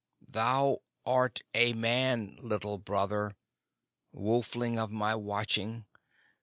"Thou art a man, Little Brother, wolfling of my watching.